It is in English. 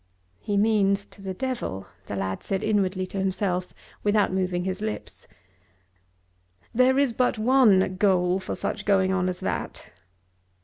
"He means to the devil," the lad said inwardly to himself, without moving his lips. "There is but one goal for such going on as that.